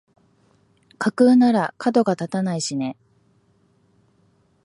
架空ならかどが立たないしね